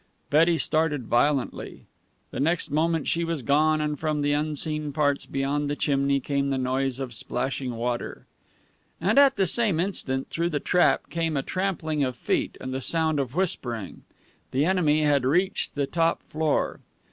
Betty started violently. The next moment she was gone, and from the unseen parts beyond the chimney came the noise of splashing water. And at the same instant, through the trap, came a trampling of feet and the sound of whispering. The enemy had reached the top floor.